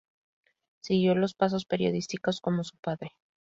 Siguió los pasos periodísticos como su padre.